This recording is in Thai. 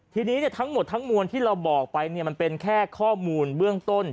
ทีนี้ทั้งหมดทั้งมวลที่เราบอกไปมันเป็นแค่ข้อมูลเบื้องต้น